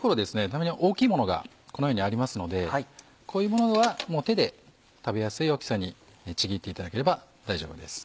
たまに大きいものがこのようにありますのでこういうものは手で食べやすい大きさにちぎっていただければ大丈夫です。